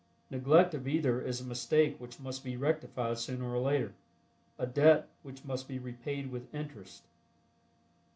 Neglect of either is a mistake which must be rectified sooner or later; a debt which must be repaid with interest.